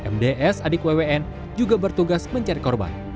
mds adik wwn juga bertugas mencari korban